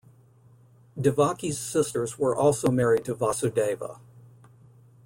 Devaki's sisters were also married to Vasudeva.